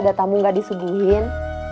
ada tamu gak disuguhin